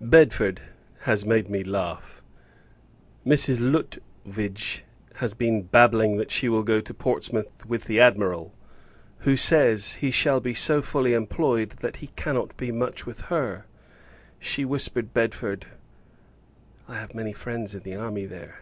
Bedford has made me laugh. Mrs. Lutwidge has been babbling, that she will go to Portsmouth with the Admiral; who says, he shall be so fully employed that he cannot be much with her. She whispered Bedford "I have many friends in the army there!"